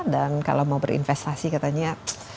dan kalau mau berinvestasi katanya